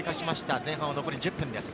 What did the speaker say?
前半、残り１０分です。